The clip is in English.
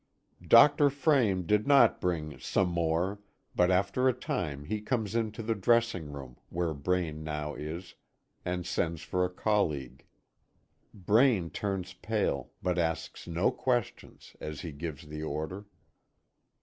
Dr. Frame did not bring "some more," but after a time he comes into the dressing room, where Braine now is, and sends for a colleague. Braine turns pale, but asks no questions, as he gives the order.